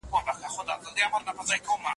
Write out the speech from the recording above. موږ هڅه وکړه چي تولیدي څانګي بي کاره پرې نږدو.